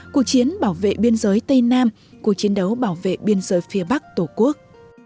cuộc chiến bảo vệ biên giới tây nam cuộc chiến đấu bảo vệ biên giới phía bắc tổ quốc